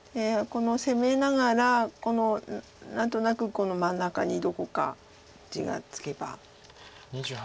攻めながら何となく真ん中にどこか地がつけば。